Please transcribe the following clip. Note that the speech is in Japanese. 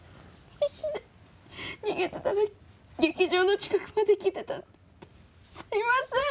必死で逃げてたら劇場の近くまで来てたすいません！